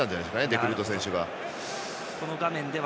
デグルート選手が。